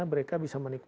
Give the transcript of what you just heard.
apakah itulah designnya